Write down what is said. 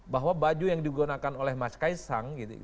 bahwa baju yang digunakan oleh mas kaisang